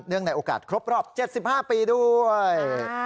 เนื่องในโอกาสครบรอบ๗๕ปีด้วย